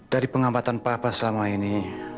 dari pengamatan papa selama ini